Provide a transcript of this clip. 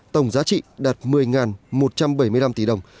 tổng giá trị đạt một mươi một trăm bảy mươi năm tỷ đồng